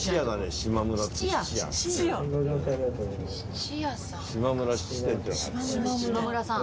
島村さん。